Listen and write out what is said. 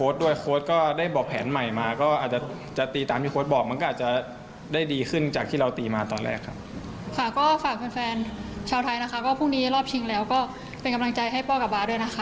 สวัสดีครับ